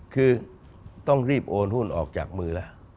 คือต้องรีบโอนหุ้นออกจากมือแล้ว